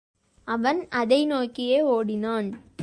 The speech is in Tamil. அவன் அதை நோக்கியே ஒடினான்.